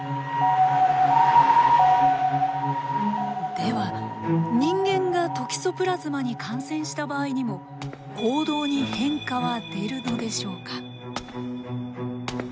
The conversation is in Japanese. では人間がトキソプラズマに感染した場合にも行動に変化は出るのでしょうか？